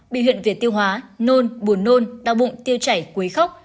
biểu hiện về tiêu hóa nôn buồn nôn đau bụng tiêu chảy quấy khóc